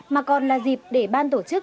mà còn là dịp để ban tổ chức